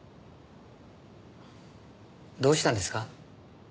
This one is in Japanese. どうしたんですか？